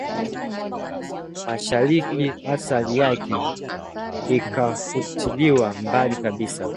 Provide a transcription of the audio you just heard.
umashariki athari yake ikafututiliwa mbali kabisa